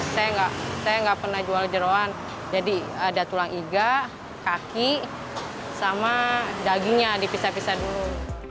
saya enggak saya enggak pernah jual jeruan jadi ada tulang iga kaki sama dagingnya dipisah pisah dulu